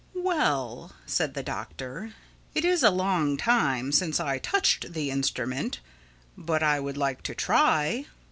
"Well," said the Doctor, "it is a long time since I touched the instrument. But I would like to try.